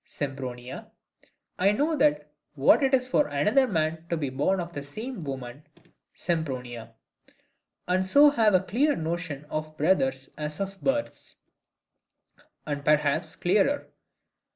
Sempronia, I know what it is for another man to be born of the same woman Sempronia; and so have as clear a notion of brothers as of births, and perhaps clearer.